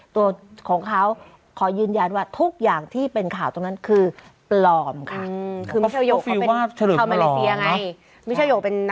ตัวของเขาขอยืนยันว่าทุกอย่างที่เป็นข่าวตรงนั้นคือปลอมค่ะ